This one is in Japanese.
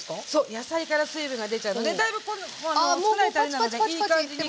野菜から水分が出ちゃうのでだいぶこれは少ないたれなのでいい感じに。